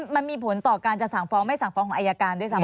มันมีผลต่อการจะสั่งฟ้องไม่สั่งฟ้องของอายการด้วยซ้ำ